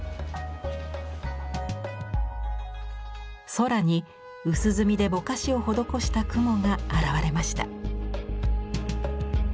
空に薄墨でぼかしを施した雲が現れました。